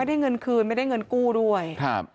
ไม่ได้เงินคืนไม่ได้เงินกู้ด้วย